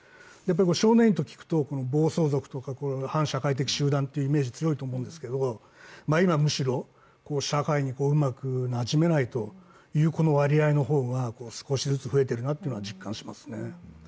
少年院と聞くと暴走族とか反社会的集団というイメージが強いと思うんですけれども、今はむしろ、社会にうまくなじめないという子の割合の方が少しずつ増えているなというのは実感しますね。